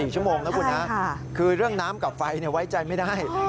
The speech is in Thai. ๔ชั่วโมงนะคุณนะคือเรื่องน้ำกับไฟไว้ใจไม่ได้